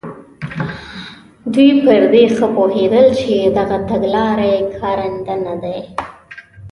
دوی پر دې ښه پوهېدل چې دغه تګلارې کارنده نه دي.